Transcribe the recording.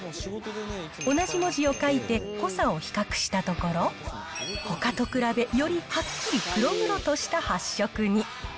同じ文字を書いて濃さを比較したところ、ほかと比べ、よりはっきり黒々とした発色に。